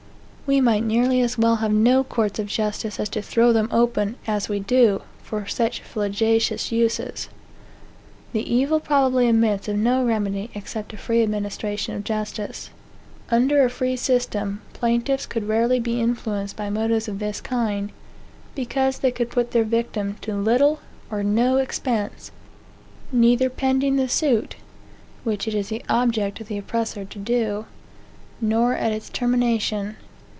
We might nearly as well have no courts of justice, as to throw them open, as we do, for such flagitious uses. Yet the evil probably admits of no remedy except a free administration of justice. Under a free system, plaintiffs could rarely be influenced by motives of this kind; because they could put their victim to little or no expense, neither pending the suit, (which it is the object of the oppressor to do,) nor at its termination.